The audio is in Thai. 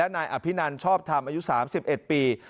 นายอภินันชอบทำอายุ๓๑ปี